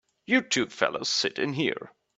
You two fellas sit in here.